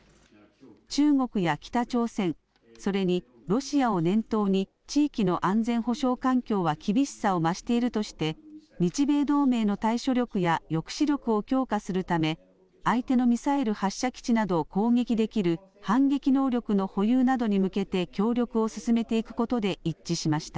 中国や北朝鮮、それにロシアを念頭に地域の安全保障環境は厳しさを増しているとして、日米同盟の対処力や抑止力を強化するため、相手のミサイル発射基地などを攻撃できる反撃能力の保有などに向けて協力を進めていくことで一致しました。